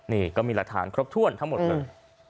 นี่ก็มีหลักฐานครบถ้วนทั้งหมดเลย